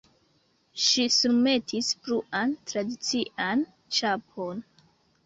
Ŝi surmetis bluan tradician ĉapon.